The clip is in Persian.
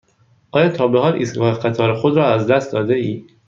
آیا تا به حال ایستگاه قطار خود را از دست داده ای؟